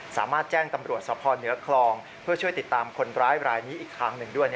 สามารถแจ้งตำรวจสภเหนือคลองเพื่อช่วยติดตามคนร้ายรายนี้อีกทางหนึ่งด้วย